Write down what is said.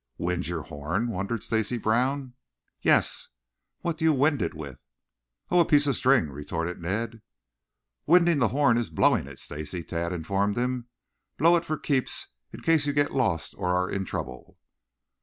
"Wind your horn?" wondered Stacy Brown. "Yes." "What do you wind it with?" "Oh, a piece of string," retorted Ned. "Winding the horn is blowing it, Stacy," Tad informed him. "Blow it for keeps in case you get lost or are in trouble."